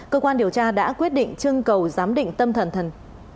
cơ quan điều tra đã quyết định trưng cầu giám định tâm thần